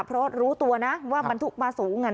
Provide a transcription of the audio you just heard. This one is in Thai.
เพราะรู้ตัวนะว่าบรรทุกมาสูง